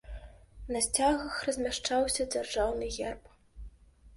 На сцягах размяшчаўся дзяржаўны герб.